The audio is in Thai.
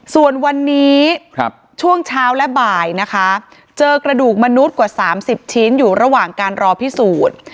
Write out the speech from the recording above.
ส่วนวันนี้ช่วงเช้าและบ่ายนะคะเจอกระดูกมนุษย์กว่า๓๐ชิ้นอยู่ระหว่างการรอพิสูจน์